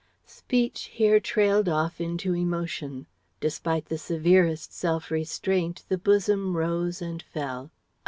Speech here trailed off into emotion. Despite the severest self restraint the bosom rose and fell.